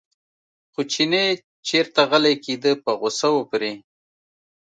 خو چینی چېرته غلی کېده په غوسه و پرې.